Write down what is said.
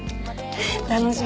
楽しみ。